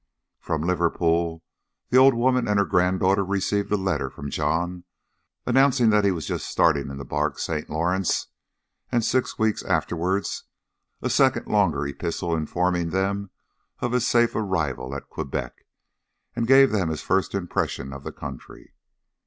From Liverpool the old woman and her granddaughter received a letter from John announcing that he was just starting in the barque St. Lawrence, and six weeks afterwards a second longer epistle informed them of his safe arrival at Quebec, and gave them his first impressions of the country.